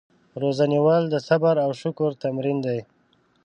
روژه نیول د صبر او شکر تمرین دی.